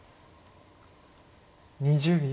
２０秒。